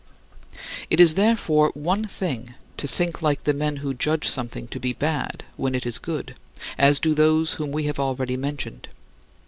It is, therefore, one thing to think like the men who judge something to be bad when it is good, as do those whom we have already mentioned.